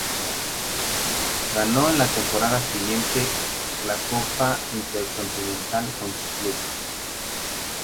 Ganó en la temporada siguiente la Copa Intercontinental con su club.